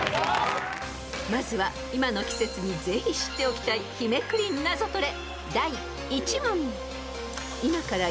［まずは今の季節にぜひ知っておきたい日めくりナゾトレ］